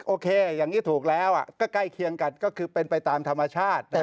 โอเคอย่างนี้ถูกแล้วก็ใกล้เคียงกันก็คือเป็นไปตามธรรมชาติ